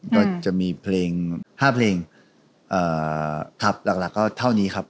ก็จะมีเพลง๕เพลงทัพหลักก็เท่านี้ครับ